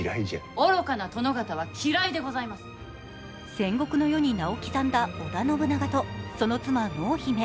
戦国の世に名を刻んだ織田信長と、その妻・濃姫。